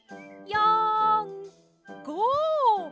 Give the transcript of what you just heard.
４５！